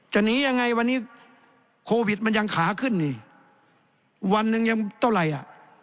หนียังไงวันนี้โควิดมันยังขาขึ้นนี่วันหนึ่งยังเท่าไหร่อ่ะ